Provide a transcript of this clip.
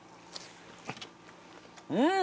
うん！